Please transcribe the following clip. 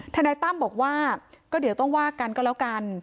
ทนายตั้มบอกว่าก็เดี๋ยวต้องว่ากันก็แล้วกัน